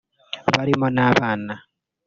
barimo n’abana